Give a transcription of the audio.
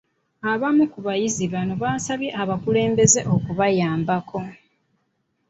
Abamu ku bayizi bano basabye abakulembeze okubayambako.